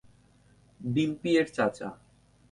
ডিম্পি এর চাচা।